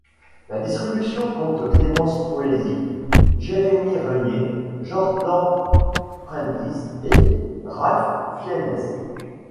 La distribution compte Clémence Poésy, Jérémie Renier, Jordan Prentice et Ralph Fiennes.